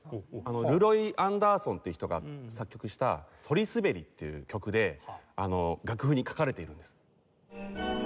ルロイ・アンダーソンっていう人が作曲した『そりすべり』っていう曲で楽譜に書かれているんです。